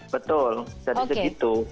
betul jadi begitu